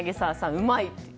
うまい！